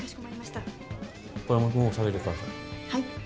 はい